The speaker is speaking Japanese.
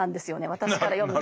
私から読むと。